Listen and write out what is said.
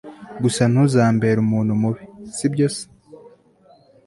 gusa ntuzambere umuntu mubi!sibyo se!